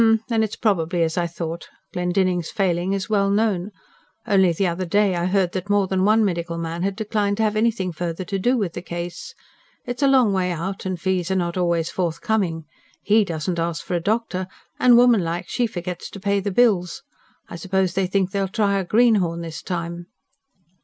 "H'm. Then it's probably as I thought. Glendinning's failing is well known. Only the other day, I heard that more than one medical man had declined to have anything further to do with the case. It's a long way out, and fees are not always forthcoming. HE doesn't ask for a doctor, and, womanlike, she forgets to pay the bills. I suppose they think they'll try a greenhorn this time."